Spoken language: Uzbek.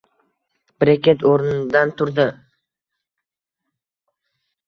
Brekket o`rnidan turdi